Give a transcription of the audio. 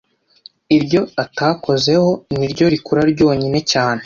iryo atakozeho niryo rikura ryonyine cyane